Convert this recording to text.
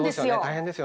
大変ですよね